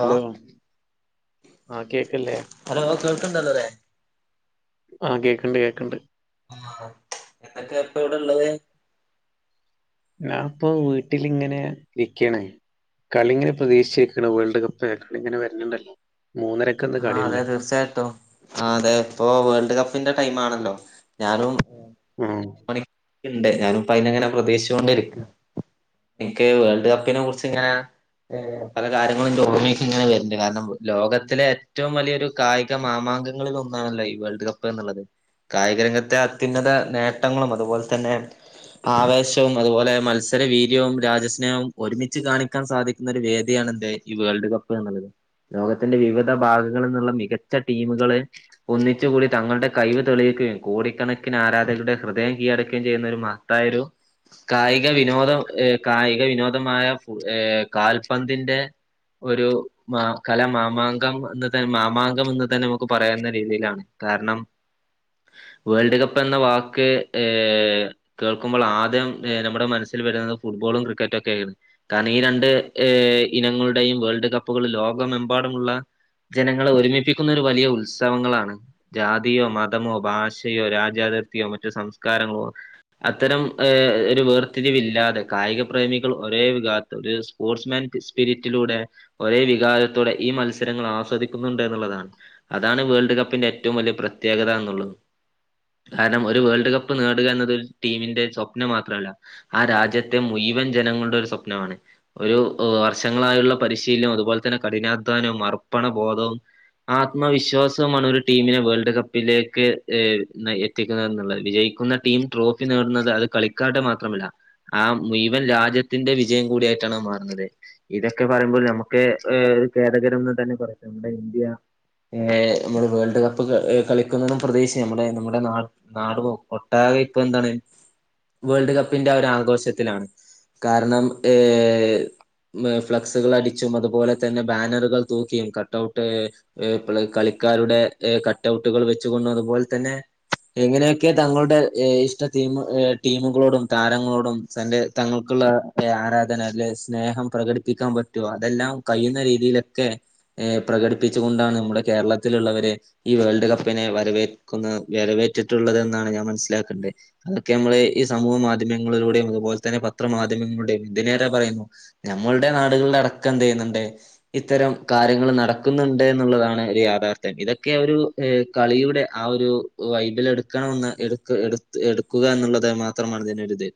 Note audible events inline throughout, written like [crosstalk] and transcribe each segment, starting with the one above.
Hello ആ കേക്ക്ണ്ല്ലേ? ണ്ടല്ലോലേ ആ കേക്ക്ണ്ട് കേക്ക്ണ്ട് ആഹ എന്തൊക്കെ ഇപ്പൊ ഇവിടെള്ളത് ഞാൻ ഇപ്പൊ വീട്ടിലിങ്ങനെ ഇരിക്കണേ കളിങ്ങനെ പ്രതീക്ഷിച്ചിരിക്കാണ് വേൾഡ് കപ്പ്ക്ക ഇങ്ങനെ വര്ണണ്ടല്ലോ ആ അതെ തീർച്ചയായിട്ടും. ആ അതെ ഇപ്പൊ വേൾഡ് കപ്പിന്റെ ടൈം ആണല്ലോ ഞാനും ഉം ഇണ്ട്. ഞാനുപ്പയിനങ്ങനെ പ്രതീക്ഷിച്ചുകൊണ്ടിരിക്ക, എനിക്ക് വേൾഡ് കപ്പിനെ കുറിച്ച് ഇങ്ങനെ ഏ പല കാര്യങ്ങളും ലോമൊക്ക ഇങ്ങനെ വരുന്നുണ്ട് കാരണം ലോകത്തിലെ ഏറ്റവും വലിയൊരു കായിക മാമാങ്കങ്ങളിൽ ഒന്നാണല്ലോ ഈ വേൾഡ് കപ്പ് എന്നുള്ളത് കായികരംഗത്തെ അത്യുന്നത നേട്ടങ്ങളും അതുപോലെ തന്നെ ആവേശവും അതുപോലെ മത്സരവീര്യവും രാജസ്നേഹവും ഒരുമിച്ച് കാണിക്കാൻ സാധിക്കുന്ന ഒരു വേദിയാണ് ഈ വേൾഡ് കപ്പ്ുള്ളത് ലോകത്തിന്റെ വിവിധ ഭാഗ നിള്ള മികച്ച ടീമ്കള് ഒന്നിച്ചുപോയി തങ്ങളുടെ കഴിവ് തെളിയിക്കുകയും കോടിക്കണക്കിന് ആരാധ ടെ ഹൃദയം കീഴടക്കുകയും ചെയ്യുന്ന ഒരു മഹത്തായോരു കായിക വിനോദം ഏ കായിക വിനോദമായ ഏ കാൽപന്തിന്റെ ഒരു മാ കല മാമാങ്കം ന്ന് മാമാങ്കം എന്ന് തന്നെ നമുക്ക് പറയാവുന്നരീതിയിലാണ് കാരണം വേൾഡ് കപ്പ് എന്ന വാക്ക് ഏ കേൾക്കുമ്പള് ആദ്യം നമ്മുടെ മനസ്സിൽ വരുന്നത്ഫുട്ബോളും ക്രിക്കറ്റൊക്കെണ് കാരണം ഈ രണ്ട് ഏ ഇനങ്ങളുടെയും വേൾഡ് കപ്പുകൾ ലോക ക മെമ്പാടുമുള്ള ജനങ്ങളെ ഒരുമിപ്പിക്കുന്ന ഒരു വലിയ ഉത്സവങ്ങളാണ് ജാതിയോ മതമോ ഭാഷയോ രാജാത യോ മറ്റു സംസ്കാരങ്ങളോ അത്തരം ഏ ഒരു വേർത്തിരിവില്ലാതെ കായിക പ്രമികൾ ഒരേ വിഗാരത്ത് ഒരു സ്പോർട്സ്മാൻ സ്പിരിറ്റിലൂടെ ഒരേ വികാരത്തോടെ ഈ മത്സരങ്ങൾ ആ സ്വദിക്കുന്നുണ്ട് ന്ന്ള്ളതാണ് അതാണ് വേൾഡ് കപ്പിന്റെ ഏറ്റവും വല്ല്യ പ്രത്യേകത എന്നുള്ളത് കാരണം ഒരു വേൾഡ് കപ്പ് നേടുക എന്നത് ടീമിന്റെ സ്വപ്നമാ ലല്ല ആ രാജ്യത്തെ മുയ്‌വൻ ജനങ്ങളുടെ ഒരു സ്വപ്നമാണ് ഒരു ഹ് വർഷങ്ങളായുള്ള പരിശ് ശീലം അത് പോലെ തന്നെ കഠിനാധ്വാനവും അർപ്പണ ബോധവും ആത്മവിശ്വാസമാണ് ഒരു ടീമിനെ വേൾഡ് കപ്പിലേക്ക് ഏ എത്തിക്ക്ന്നത് എന്ന്ള്ളത് വിജയി ക്കുന്നടീം ട്രോഫി നേടുന്നത് അത് കളിക്കാരുടെ മാത്രമല്ല ആ മുഴുവൻ രാജ്യത്തിന്റെ വിജയം കൂടി ട്ടാണ്‌മാറുന്നത് ഇതൊക്കെ പറയുമ്പോൾ നമുക്ക് ഏ കെഥകരം തന്നെ [unintelligible] നമ്മുടെ ഇന്ത്യ ഏ നമ്മള് വേൾഡ് കപ്പ് ഏ കളിക്കുന്നതും പ്രതീക്ഷ നമ്മുടെ നമ്മുടെ നാട് നാട് ഒട്ടാരെ ഇപ്പം എന്താണ് വേൾഡ് കപ്പിന്റെ ആ ഒരു ആഘോഷത്തിലാണ് കാരണം ഏ മ്മ് ഫ്ലെക്സുകൾ അടിച്ചും അതുപോലെ തന്നെ ബാനറുകൾ തൂക്കിയും കട്ടഔട്ട് ഹ് പ്ല കളിക്കാരുടെ എ കട്ട്ഔട്ടുകൾ വെച്ച് കൊണ്ട് അതുപോൽ തന്നെ എങ്ങനെയൊക്കെ തങ്ങളുടെ ഏ ഇഷ്ട ടീമ ഏ ടീമുകളോടും താരങ്ങളോടും സന്റെ തങ്ങൾക്ക് ഉള്ള ആരാധന ല്ലെ സ്നേഹം പ്രകടിപ്പിക്കാൻ പറ്റുവോ അതെല്ലാം കയ്യുന്ന രീതിയിലൊക്കെ ഏ പ്രകടിപ്പിച്ചു കൊണ്ടാണ് നമ്മള് കേരളത്തിലുള്ളവരെ ഈ വേൾഡ് കപ്പിനെ വരവേക്കുന്ന വരവേ റ്റിട്ടുള്ളതെന്നാണ് ഞാൻ മനസ്സിലാക്കണ്ടെ അതൊക്കെ മ്മള് ഈ സമൂഹ മാധ്യമങ്ങളിലൂടെയും അതുപോലെ തന്നെ പത്ര മാധ്യ നിങ്ങളുടെ എന്തിനേറെ പറയുന്നു ഞമ്മളുടെ നാടുകളുടെ അടക്കം എന്തെയ്യുന്നുണ്ട് ഇത്തരം കാര്യങ്ങൾ നടക്ക്ന്നുണ്ട് എന്നുള്ളതാണ് ഒരു യാഥാർഥ്യം ഇതൊക്കെ ഒരു ഏ കളിയുടെ ആ ഒരു വൈബിൽ എടുക്കണന്ന് എടുക് എടുത് എടുക്കുക എന്ന് ള്ളത് മാത്രമാണ് ഇതിനൊരിത്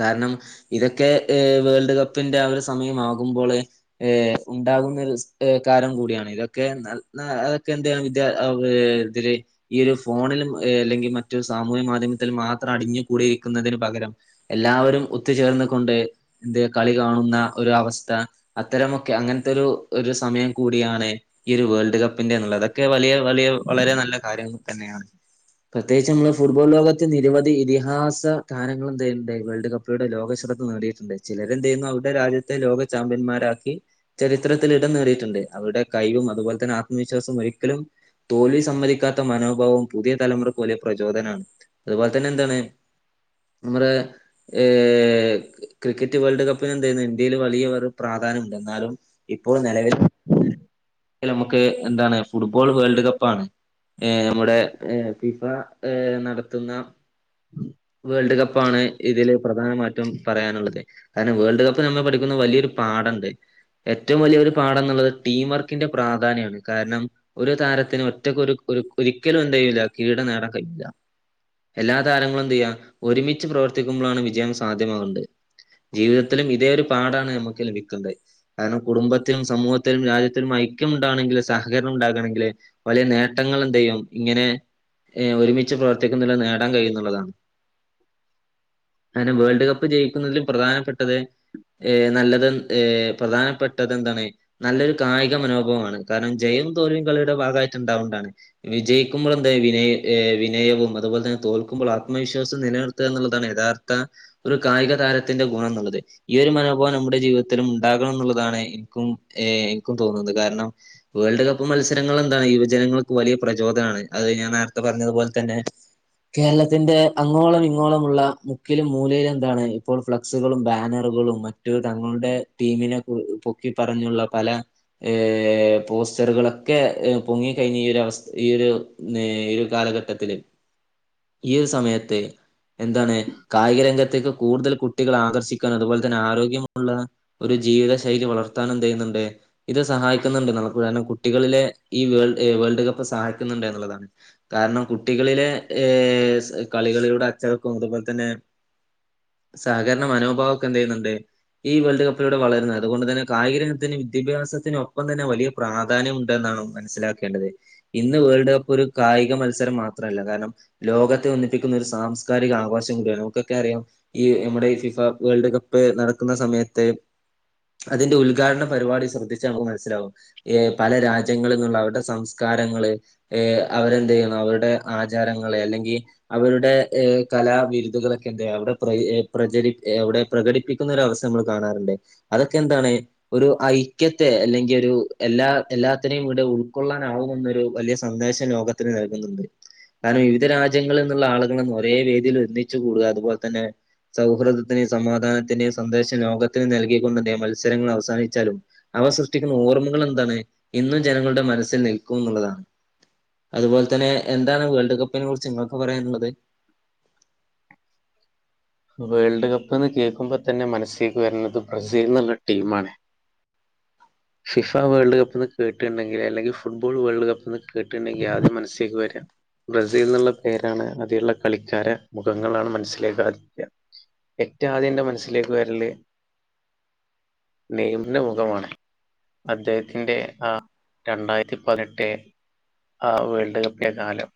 കാരണം ഇതൊക്കെ ഏ വേൾഡ് കപ്പിന്റെ ആ ഒരു സമയമാകുമ്പോള് ഏ ഉണ്ടാകുങ്ങൽ ഹേ ക്കാരം കൂടിയാണ് ഇതൊക്കെ [unintelligible] ഫോണിലുംഏ അല്ലെങ്കി മറ്റു സാമൂഹ്യ മാധ്യമത്തിൽ മാത്രം അടിഞ്ഞു കൂടിരിക്കുന്നതിന് പകരം എല്ലാവരും ഒത്തുചേർന്ന് കൊണ്ട് ന്ത് കളി കാണുന്ന ഒരു അവസ്ഥ അത്തരമൊക്കെ അങ്ങൻത്തെരു ഒരു സമയം കൂടിയാണ് ഈ ഒരു വേൾഡ് കപ്പിന്റെ ന്നുള്ളത് അതൊക്കെ വലിയ വലിയ വളരെ നല്ല കാര്യം തന്നെയാണ് പ്രത്യേകിച്ച് മ്മളെ ഫുട്ബോൾ ലോകത്ത് നിരവധി ഇതിഹാസ താരങ്ങളും ന്ത്യ്യിണ്ട് വേൾഡ് കപ്പിലൂടെ ലോക ശ്രെ ദ്ധ നേടിയിട്ട്ണ്ട് ചിലരെന്ത് യ്യുന്നു അവർടെ രാജ്യത്തെ ലോക ചാമ്പ്യന്മാരാക്കി ചരിത്ര ത്തിലിടം നേടിട്ട്ണ്ട് അവർടെ കൈയ്യും അതുപോലെ തന്നെ ആത്മവിശ്വാസവും ഒരിക്കലും തോൽവി സമ്മതിക്കാത്ത മനോ ഭവും പുതിയ തലമുറക്കൊരു പ്രചോദനാണ് അതുപോലെ തന്നെ എന്താണ് നമ്മുടെ ഏ ക്രിക്കറ്റ് വേൾഡ് കപ്പിന് എന്തയ്യ്ണ് ഇന്ത്യയില് വലിയ പ്രാ പ്ലാനുണ്ട് എന്നാലും ഇപ്പോൾ നെലവിൽ ക്ക് എന്താണ് ഫുട്ബോൾ വേൾഡ് കപ്പാണ് ഏ നമ്മുടെ ഏ ഫിഫ ഏ നടത്തുന്ന ഉം വേൾഡ് കപ്പാണ് ഇതില് പ്രധാനമായ്‌ട്ടും പറയാനുള്ളത് കാരണം വേൾഡ് കപ്പ് നമ്മൾ പഠിക്കുന്ന വലിയൊരു പാടണ്ട് ഏറ്റവും വല്ല്യ രു പാഠം ന്നുള്ളത് ടീം വർക്കിന്റെ പ്രാധാന്യാണ് കാരണം ഒരു താരത്തിന് ഒറ്റക്ക്‌ ഒരു ഒരു ഒരിക്കലും എന്ത്‌യ്യൂല്ല കിരീടം നേടാൻ കയ്യൂല്ല എല്ലാ താരങ്ങളും എന്തിയ്യ ഒരുമിച്ച് പ്രവർത്തിക്കുമ്ബ്ലാണ് വിജയം സാധ്യമാകണ്ടത് ജീവിതത്തിലും ഇതേ ഒരു പാടാണ് നമുക്ക് ലഭിക്കണ്ട കാരണം കുടുംബത്തിലും സമൂഹത്തിലും രാജ്യത്തിലും ഐക്യം ഉണ്ടാണങ്കിൽ സഹകരണം ഉണ്ടാകണമെങ്കില് വലിയ നേട്ടങ്ങ ങ്ങളെന്തെയ്യും ഇങ്ങനെ എ ഒരുമിച്ച് പ്രവർത്തിക്കുന്നല് നേടാൻ കഴിയുന്ന്ള്ളതാണ് [inaudible] അങ്ങനെ വേൾഡ് കപ്പ് ജയിക്കുന്നതിലും പ്രധാനപ്പെട്ടത് ഏ നല്ലത് ഏ പ്രധാനപ്പെട്ടതെന്താണ് നല്ലൊരു കായിക മനോഭവമണ് കാരണം ജയോം തോൽവിയും കളിയുടെ ഭാഗായിട്ട് ണ്ടാവണ്ട ണ് വിജയിക്കുമ്പോള് എന്ത്‌ വിനയവും അതുപോലെ തന്നെ തോൽക്കുമ്പോൾ ആത്മവിശ്വാസം നിലനിർത്താന്ന് ള്ളതാണ് യഥാർത്ഥ ഒരു കായിക താരത്തിന്റെ ഗുണം ന്നുള്ളത് ഈ ഒരു മനോഭാവം നമ്മുടെ ജീവിതത്തിലും ണ്ടാകണം ന്നുള്ളതാണ് ഇൻക്കും ഏ ഇൻക്കും തോന്ന്ണത് കാര്ണം വേൾഡ് കപ്പ് മത്സരങ്ങൾ എന്താണ് യുവജന ങ്ങൾക്ക് വലിയ പ്രചോദനാണ് അത് ഞാൻ നേര്ത്ത പർഞ്ഞതുപോൽ തന്നെ കേരളത്തിന്റെ അങ്ങോളമിങ്ങോളമുള്ള മുക്കിലും മൂലയിലും ന്താണ് ഇപ്പോൾ ഫ്ലക്സുകളും ബാനറും കളും മറ്റു തങ്ങളുടെ ടീമിനെ പൊക്കി പറഞ്ഞുള്ള പല ഏ പോസ്റ്ററുകളൊക്കെ പൊങ്ങി കഴിഞ് ഈ ഒരു അവസ് ഈ ഒരു ഒരു കാല ലഘട്ടത്തില് ഈ ഒര് സമയത്ത് എന്താണ് കായികരംഗത്തേക്ക് കൂടുതൽ കുട്ടികളെ ആകർഷിക്കാണ് അതുപോൽ തന്നെ ആരോഗ്യമുള്ള ഒരു ജീവിത ശൈലി വളർത്താനും ന്തെയ്ന്ന്ണ്ട് ഇത് സഹായിക്ക്‌ന്ന്ണ്ട് ള്ള പ്പുദാഹര്ണം കു ട്ടികളിലെ ഈ വേൾ വേൾഡ് കപ്പ് സഹായിക്ക്‌ന്ന്ണ്ട് ന്ന്ള്ളതാണ് കാര്ണം കുട്ടികളിലെ ഏ സ് കളികളിലൂടെ അച്ചടക്കോം അതുപോൽ തന്നെ സഹകരണ മനോഭാവൊക്കെ എന്തെയ്ന്ന്ണ്ട് ഈ വേൾഡ് കപ് ലൂട വളര്ന്ന അതുകൊണ്ട് തന്നെ കായികരങ്കത്തിന് വിദ്യാഭ്യസത്തിനൊപ്പം തന്നെ വലിയ പ്രാധാന്യം ഉണ്ടെന്നാണ് മനസ്സിലാക് ക്കെണ്ടത് ഇന്ന് വേൾഡ് കപ്പ് ഒരു കായിക മത്സരം മാത്രല്ല കാരണം ലോകത്തെ ഒന്നിപ്പിക്കുന്ന ഒരു സാം സ്കാരിക ആകോശം കെ നമുക്കൊക്കെ അറിയാം ഈ നമ്മുടെ ഈ ഫിഫ വേൾഡ് കപ്പ് നടക്ക്‌ന്ന സമയത്ത് [inaudible] അതിന്റെ ഉൽഘാടന പരിപാടി ശ്രദ്ധിച്ച നമ്ക്ക് മൻസ്സിലാവും ഏ പല രാജ്യങ്ങളിൽ ന്നുള്ള അവര്ടെ സംസ്കാരങ്ങ ങ്ങള് എ അവരെന്തെയ്യണ അവരുടെ ആചാരങ്ങള് അല്ലെങ്കി അവരുടെ കലാ വിരുദുകളൊക്കെന്തെയ്യാ അവിടെ പ്ര പ്രചരി അവിടെ പ്രകടിപ്പിക്കുന്ന ഒര അവസ നമ്മള് കാണാറുണ്ട് അതൊക്കെ എന്താണ് ഒരു ഐക്യത്തെ അല്ലെങ്കി ഒരു എല്ലാ എല്ലാത്തിനെയും ഇവ്ടെ ഉൾക്കൊള്ളാന ആവുമെന്നൊരു വലിയ സന്ദേശം ലോകത്തിന് നൽകുന്നുണ്ട് കാരണം വിവിധ രാജ്യങ്ങളി ന്നുള്ള ആളുകളും ഒരേ വേദിയിൽ ഒന്നിച്ചു കൂടുക അതുപോൽ തന്നെ സൗഹൃദത്തിന് സമാധാനത്തിന് സന്ദേശം ലോകത്തിന് നൽക് കി ക്കൊണ്ട്ന്തേ മത്സരങ്ങള് അവസാനിച്ചാലും അവ സൃഷ്ടിക്കുന്ന ഓർമ്മകൾ എന്താണ് ഇന്നും ജനങ്ങളുടെ മനസ്സിൽ നി നിക്കും ന്നുള്ളതാണ് അതുപോൽതന്നെ എന്താണ് വേൾഡ് കപ്പിനെ കുറിച്ച് ങ്ങക്ക് പറയാൻള്ളത് [inaudible] വേൾഡ് കപ്പ്ന്ന് കേക്കുമ്പോ തന്നെ മനസ്സീക്ക് വരുന്നത് ബ്രസീൽ ന്നുള്ള ടീം ആണ് ഫിഫ വേൾഡ് കപ്പ്ന്ന് കേട്ട്ണ്ടെങ്കില് അല്ലെങ്കി ഫുട്ബോൾ വേൾഡ് കപ്പ് ന്ന് കേട്ടിണ്ടെങ്കി ആദ്യം മനസ്സേക്ക് വെര ബ്രസീൽന്നുള്ള പേരാണ് അതീള്ള കളിക്കാര മുഖങ്ങളാണ് മൻസ്സിലേകാ ദ്യ എറ്റൊ ആദ്യം ന്റെ മൻസ്സിലേക്ക് വെര്ല് നെയമ്ന്റെ മുഖമാണ് അദ്ദേഹത്തിന്റെ ആ രണ്ടായിരത്തി പതിനെട്ട് ആ വേൾഡ് കപ്പിലെ കാലം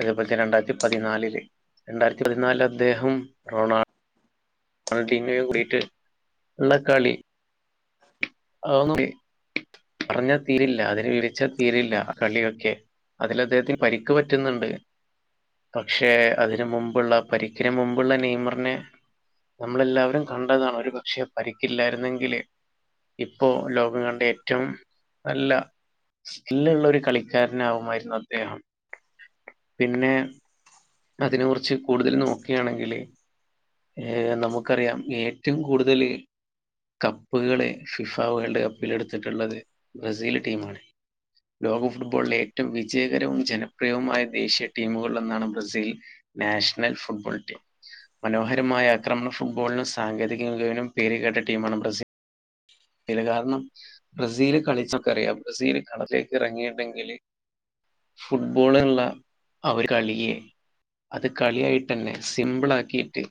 അതേപോൽ തെ രണ്ടാര്ത്തി പതിനാലില് രണ്ടായിര്ത്തി പതിനാലില് അദ്ദേഹം റൊണാൾ ടീമി കൂടിട്ട് ള്ളകളി അവൊന്നും പർഞ്ഞാ തീരില്ല അതിന് വിരിച്ച തീരില്ല ആ കളിയൊക്കെ അതിൽ അദ്ദേഹത്തിന് പരിക്ക്‌ പറ്റ്ന്ന്ണ്ട് പക്ഷെ അതിന് മുമ്പുള്ള പരിക്കിന് മുമ്പുള്ള നെയമർനെ നമ്മളെല്ലാവരും കണ്ടതാണ് ഒരു പക്ഷെ പരിക്കില്ലായിര്ന്നെങ്കില് ഇപ്പോ ലോകം കണ്ട ഏറ്റോം നല്ല സ്കില്ലുള്ള ഒരു കളിക്കാരനാ കുമായിരുന്നു അദ്ദേഹം പിന്നെ അതിനെ കുറിച്ച് കൂടുതൽ നോക്കെയാണെങ്കില് ഏ നമുക്കറിയാം ഏറ്റവും കൂടുതല് കപ്പുകളെ ഫിഫ വേൾഡ് കപ്പിലെടുത്തിട്ടുള്ളത് ബ്രസീല് ടീമാണ് ലോക ഫുട്ബോൾലെ ഏറ്റവും വിജയകരവും ജനപ്രിയവുമായ ദേശീയ ടീമുകളിലൊന്നാണ് ബ്രസീൽ നാഷ്ണൽ ഫുട്ബോൾ ടീം മനോഹരമായ ആക്രമണം ഫുട്ബോളിനും സാങ്കേതിക മികവിനും പേര്കേട്ട ടീമാണ് ബ്രസീൽ ഇത് കാരണം ബ്രസീല് കളിച്ചൊക്കറിയാം ബ്രസീല് കളത്തേക്ക് ഇറങ്ങീട്ടെങ്കില് ഫുട്ബോളുള്ള ആഒര് കളിയെ അത് കളിയായിട്ടന്നെ സിംപിളാക്കീട്ട്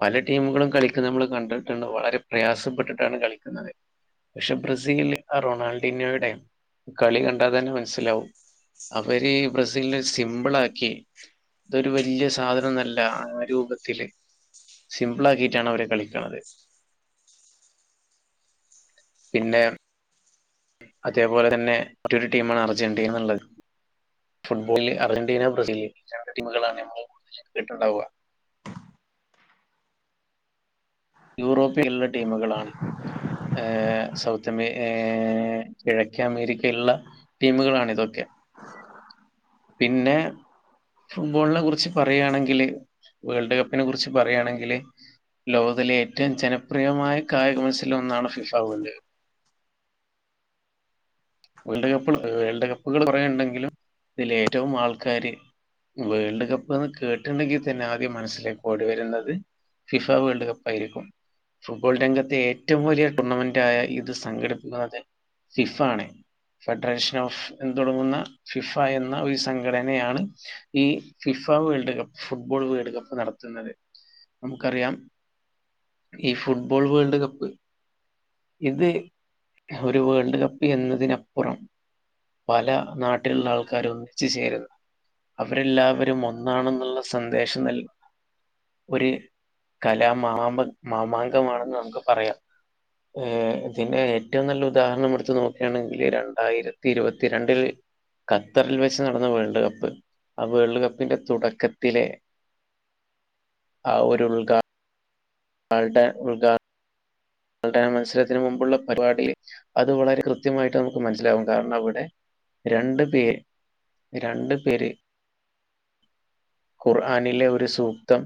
പല ടീമുകളും കളിക്കുന്നത് നമ്മള് കണ്ടിട്ടുണ്ടാവും വളരെ പ്രയാസപ്പെട്ടിട്ടാണ് കളിക്കുന്നത് പക്ഷെ ബ്രസീല് അ റൊണാൾടീംന്നോടെ കളി കണ്ടാതന്നെ മനസ്സിലാവും അവര് ബ്രസീൽനെ സിമ്പിളാക്കി ഇതൊരു വലൃയ സാധനൊല്ല ആ രൂപത്തില് സിംപിളാക്കീട്ടാണ് അവര് കളിക്കണത് പിന്നെ അതേപോലെതന്നെ റ്റൊരു ടീമാണ് അർജന്റീനന്നുള്ളത് ഫുട്ബോളില് അർജന്റീന ബ്രസീല് ടീമുകളാണ് [unintelligible] ണ്ടാവുക [inaudible] യൂറോപ്പിലുള്ള ടീമുകളാണ് ഏ സൗത്തമേ ഏ കിഴക്കമേരിക്കെലുള്ള ടീമുകളാണ് ഇതൊക്കെ പിന്നെ ഫുട്ബോളിനെ കുറിച്ച് പറയാണെങ്കില് വേൾഡ് കപ്പിനെ കുറിച്ച് പറയാണെങ്കില് ലോകത്തിലേ റ്റം ജനപ്രിയമായ കായിക മത്സര ലൊന്നാണ് FIFA world world cup world കപ്പുകൾ കുറേണ്ടെങ്കിലും ഇതിലേറ്റവും ആൾക്കാര് വേൾഡ് കപ്പ്ന്ന് കേട്ട്ണ്ടെങ്കി തന്നെ ആദ്യം മനസ്സിലേക്കോടി വരുന്നത് ഫിഫ വേൾഡ് കപ്പായിരിക്കും ഫുട്ബോൾ രംഗത്തേറ്റവും വലിയ ടൂർണമെന്റായ ഇത് സംഘടിപ്പിക്കുന്നത് ഫിഫാണ്. ഫെഡറേഷൻ ഓഫ് എൻ തൊടങ്ങുന്ന ഫിഫ എന്ന ഒരു സംഘടനയാണ് ഈ ഫി ഫിഫ വേൾഡ്കപ്പ് ഫുട്ബോൾ വേൾഡ്കപ്പ് നടത്തുന്നത് നമുക്കറിയാം ഈ ഫുട്ബോൾ വേൾഡ്കപ്പ് ഇത് ഒരു വേൾഡ്കപ്പ് എന്നതിനപ്പുറം പല നാട്ടില്ള്ള ആൾക്കാര് ഒന്നിച്ചു ചേരുന്ന അവരെല്ലാവരും ഒന്നാണെന്നുള്ള സന്ദേശം നൽകുന്ന ഒരു കലാ മാമ് മാമാങ്കമാണെന്ന് നമുക്ക് പറയാം ഏഹ് ഇതിൻ്റെ ഏറ്റവും നല്ല ഉദാഹരണമെടുത്ത് നോക്കാണെ ങ്കി രണ്ടായിരത്തി ഇരുവത്തിരണ്ട്ല് ഖത്തറിൽ വെച്ച് നടന്ന വേൾഡ് കപ്പ് ആ വേൾഡ്കപ്പിന്റെ തുടക്കത്തിലെ ആ ഒരുൽഘാ അവ്ടെ ഉദാ പ്രധാന മത്സരത്തിന് മുമ്പുള്ള പരിപാടിയിൽ അത് വളരെ കൃത്യമായിട്ട് നമുക്ക് മനസ്സിലാകും കാരണവിടെ രണ്ട്പേർ രണ്ട്പേര് ഖുർആനിലെ ഒരു സൂക്തം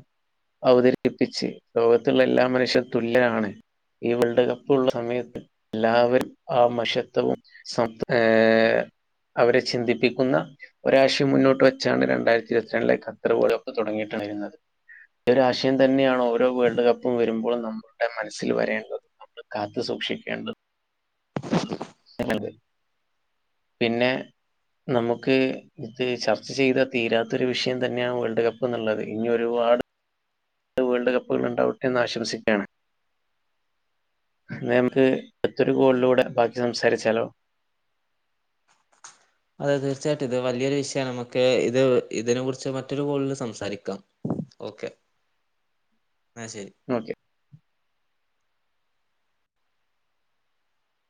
അവതരിപ്പിച്ച് ലോകത്തുള്ള എല്ലാ മനുഷ്യർ തുല്യരാണ് ഈ വേൾഡ് കപ്പുള്ള സമയത്ത് എല്ലാവരും ആ മഷത്വവും സത് ഏഹ് അവരെ ചിന്തിപ്പിക്കുന്ന ഒരാശയം മുന്നോട്ട് വെച്ചാണ് രണ്ടായിരത്തിരുപത്തിരണ്ടിലെ ഖത്തർ വേൾഡ് കപ്പ് തുടങ്ങീട്ടു റയുന്നത് ഒരാശയം തന്നെയാണ് ഓരോ വേൾഡ് കപ്പും വരുമ്പോഴും നമ്മുടെ മന മനസ്സിൽ വരേണ്ടത് നമ്മൾ കാത്തു സൂക്ഷിക്കേണ്ടത് ചെലത് പിന്നെ നമുക്ക് ഇത് ചർച്ച ചെയ്താ തീരാത്തൊരു വിഷയം തന്നെയാണ് വേൾഡ് കപ്പ് എന്നുള്ളത് ഇനിയൊരുപാ പാട് വേൾഡ് കപ്പുകളുണ്ടാകട്ടെ എന്നാശംസിക്കുകയാണ്. എന്നാ നമുക്ക് മറ്റൊരു കോളിലൂടെ ബാക്കി സംസാരിച്ചാലോ അതെ തീർച്ചയായിട്ടും ഇത് വലിയൊരു വിഷയമാണ്, നമുക്ക് ഇത് ഇതിനെ കുറിച്ച് മറ്റൊരു കോളിൽ സംസാരിക്കാം. ഓക്കെ ഇന്നാ ശരി